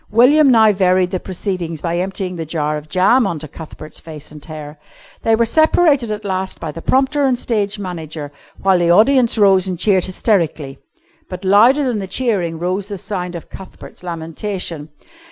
William now varied the proceedings by emptying the jar of jam on to Cuthbert's face and hair. They were separated at last by the prompter and stage manager, while the audience rose and cheered hysterically. But louder than the cheering rose the sound of Cuthbert's lamentation.